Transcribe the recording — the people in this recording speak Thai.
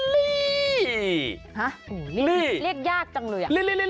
ฮะลีลีเรียกยากจังเลยอะ